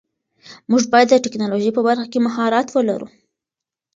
موږ باید د ټیکنالوژۍ په برخه کې مهارت ولرو.